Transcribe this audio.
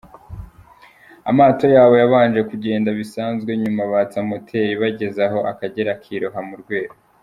Amato yabo yabanje kugenda bisanzwe nyuma batsa moteri bageze aho Akagera kiroha muri Rweru.